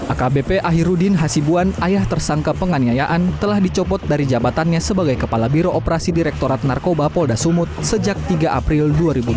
akbp ahirudin hasibuan ayah tersangka penganiayaan telah dicopot dari jabatannya sebagai kepala biro operasi direktorat narkoba polda sumut sejak tiga april dua ribu dua puluh